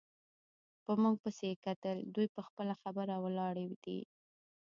په موږ پسې یې کتل، دوی پر خپله خبره ولاړې دي.